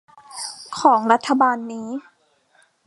ของรัฐบาลนี้